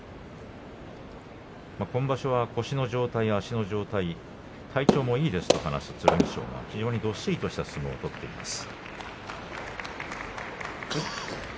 今場所は腰の状態、足の状態体調もいいですと話す剣翔が非常にどっしりとした相撲を取っています。